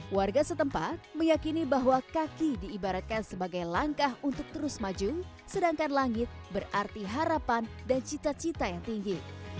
warga setempat meyakini bahwa kaki diibaratkan sebagai langkah untuk terus maju sedangkan langit berarti harapan dan cita cita yang tinggi